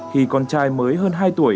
khi con trai mới hơn hai tuổi